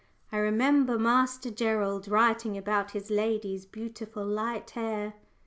I remember Master Gerald writing about his lady's beautiful light hair."